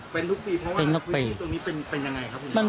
เป็นทุกปีตรงถึงเป็นยังไงครับ